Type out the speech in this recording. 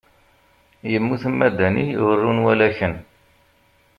Yemmut Madani, ur run walaken.